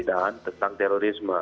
dan tentang terorisme